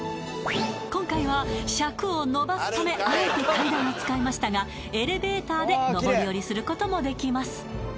今回は尺をのばすためあえて階段を使いましたがエレベーターでのぼりおりすることもできます